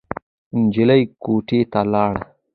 نجلۍ کوټې ته لاړ.